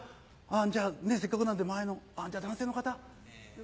じゃあせっかくなんで前の男性の方。